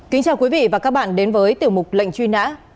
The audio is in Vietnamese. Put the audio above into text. kính chào quý vị và các bạn đến với tiểu mục lệnh truy nã